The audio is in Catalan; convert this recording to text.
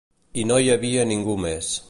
I no hi havia ningú més.